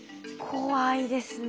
怖いですね。